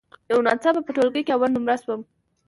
یو ناڅاپه په ټولګي کې اول نمره شوم.